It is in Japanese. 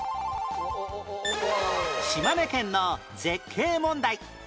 島根県の絶景問題